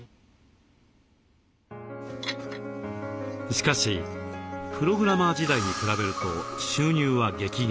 しかしプログラマー時代に比べると収入は激減。